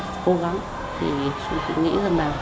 thì chúng tôi nghĩ rằng là các con sẽ có một môi trường hạnh phúc